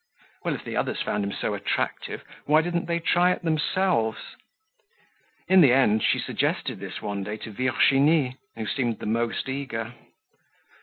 Well, if the others found him so attractive, why didn't they try it themselves. In the end she suggested this one day to Virginie who seemed the most eager.